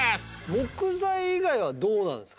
木材以外はどうなんですかね？